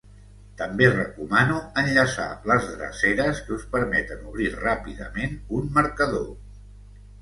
També recomano enllaçar les dreceres que us permeten obrir ràpidament un marcador.